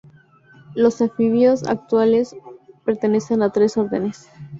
Los anfibios actuales pertenecen a tres órdenes.